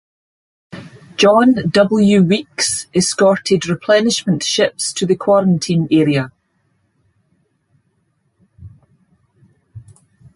"John W. Weeks" escorted replenishment ships to the quarantine area.